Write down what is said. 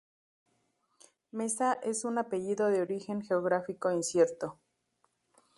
Mesa es un apellido de origen geográfico incierto.